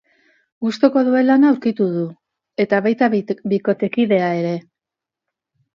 Gustuko duen lana aurkitu du, eta baita bikotekidea ere.